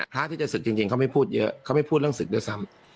พระที่จะศึกจริงเขาไม่พูดเยอะเขาไม่พูดเรื่องศึกด้วยซ้ำ